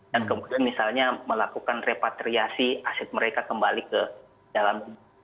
dan kemudian misalnya melakukan repatriasi aset mereka kembali ke dalam